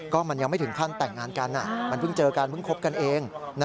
ก็มันยังไม่ถึงขั้นแต่งงานกันมันเพิ่งเจอกันเพิ่งคบกันเอง